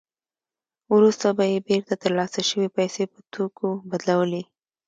وروسته به یې بېرته ترلاسه شوې پیسې په توکو بدلولې